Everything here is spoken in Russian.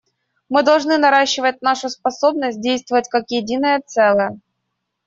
Мы должны наращивать нашу способность действовать как единое целое.